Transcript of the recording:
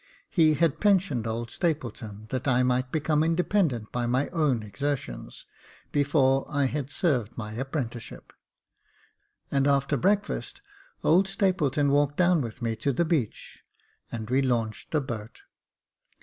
He had pensioned old Stapleton, that I might become independent by my own exertions before I had served my apprenticeship ; and after breakfast, old Stapleton walked down with me to the beach, and we launched the boat.